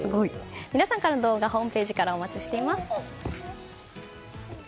皆さんからの動画ホームページからお待ちしています。